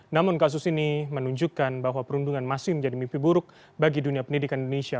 namun kasus ini menunjukkan bahwa perundungan masih menjadi mimpi buruk bagi dunia pendidikan indonesia